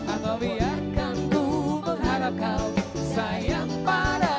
atau biarkan ku mengharap kau sayang padamu